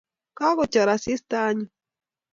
Kakochor asista anyun.